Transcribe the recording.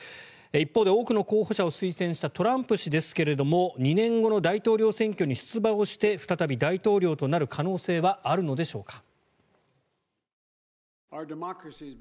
一方で多くの候補者を推薦したトランプ氏ですが２年後の大統領選挙に出馬をして再び大統領となる可能性はあるのでしょうか。